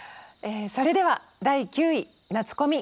それでは第９位「夏コミ！